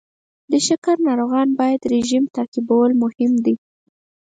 د شکر ناروغان باید رژیم تعقیبول مهم دی.